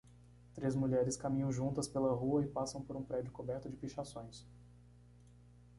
Três mulheres caminham juntas pela rua e passam por um prédio coberto de pichações.